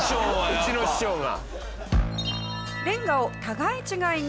うちの師匠が。